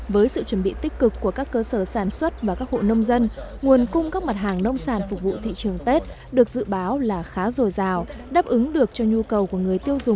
với sự chuẩn bị tích cực của các cơ sở sản xuất và các hộ nông dân nguồn cung các mặt hàng nông sản phục vụ thị trường tết được dự báo là khá rồi rào đáp ứng được cho nhu cầu của người tiêu dùng trong dịp tết nguyên đán